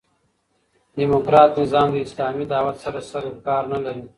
ډيموکراټ نظام د اسلامي دعوت سره سر و کار نه لري.